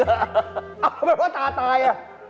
อะไรว่าพ่อตาตาย